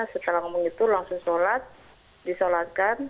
setelah ngomong itu langsung sholat disolatkan